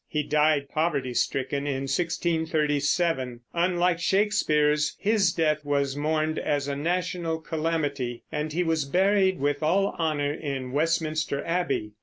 He died poverty stricken in 1637. Unlike Shakespeare's, his death was mourned as a national calamity, and he was buried with all honor in Westminster Abbey.